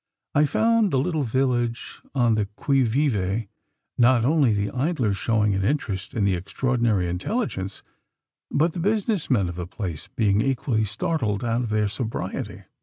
I found the little village on the qui vive: not only the idlers showing an interest in the extraordinary intelligence; but the business men of the place being equally startled out of their sobriety.